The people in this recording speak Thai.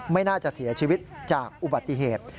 ไม่น่าจะเสียชีวิตจากอุบัติเหตุ